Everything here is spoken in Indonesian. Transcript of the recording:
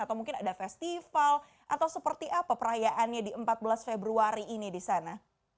atau mungkin ada festival atau seperti apa perayaannya di empat belas februari ini di sana